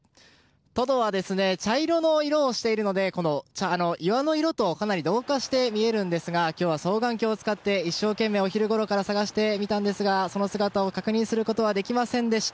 トドは茶色の色をしているので岩の色とかなり同化して見えるんですが今日は双眼鏡を使って一生懸命、お昼ごろから捜してみたんですがその姿を確認することはできませんでした。